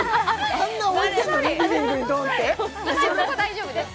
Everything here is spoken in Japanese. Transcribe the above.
あんな置いてんのにリビングにドンって大丈夫です